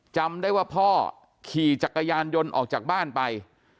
จำได้ว่าพ่อขี่จักรยานยนต์ออกจากบ้านไป